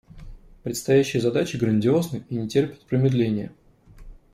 Предстоящие задачи грандиозны и не терпят промедления.